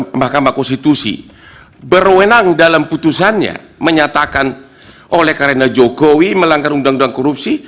mahkamah konstitusi berwenang dalam putusannya menyatakan oleh karena jokowi melanggar undang undang korupsi